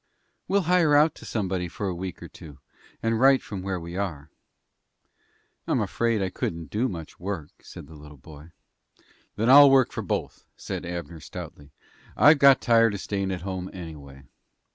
"We'll hire out to somebody for a week or two and write from where we are." "I'm afraid I couldn't do much work," said the little boy. "Then I'll work for both," said Abner, stoutly. "I've got tired of stayin' at home, anyway."